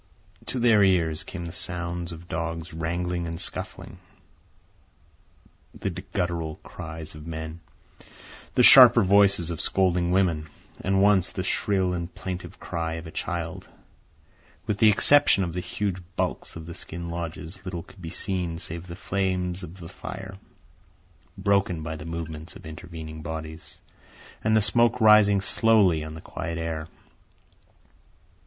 To their ears came the sounds of dogs wrangling and scuffling, the guttural cries of men, the sharper voices of scolding women, and once the shrill and plaintive cry of a child. With the exception of the huge bulks of the skin lodges, little could be seen save the flames of the fire, broken by the movements of intervening bodies, and the smoke rising slowly on the quiet air.